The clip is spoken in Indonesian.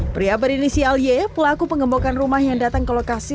pria berinisial y pelaku pengebokan rumah yang datang ke lokasi